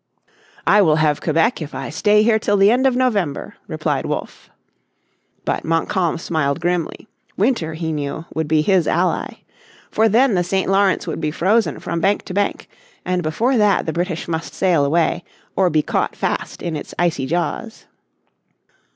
"I will have Quebec if I stay here till the end of November," replied Wolfe. But Montcalm smiled grimly. Winter, he knew, would be his ally. For then the St. Lawrence would be frozen from bank to bank and before that the British must sail away or be caught fast in its icy jaws.